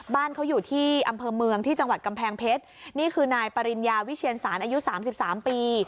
บ้านเขาอยู่ที่อำเภอเมืองที่จังหวัดกำแพงเพชรนี่คือนายปริญญาวิเชียนสารอายุสามสิบสามปี